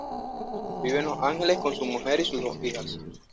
Vive en Los Ángeles con su mujer y sus dos hijas.